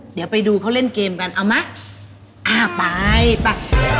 เดี๋ยวไปดูเขาเล่นเกมกันเอาไหมอ่าไปไป